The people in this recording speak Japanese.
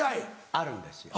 あるんですよ。